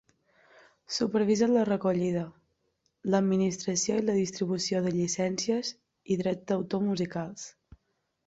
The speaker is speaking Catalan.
Supervisa la recollida, l'administració i la distribució de llicències i drets d'autor musicals.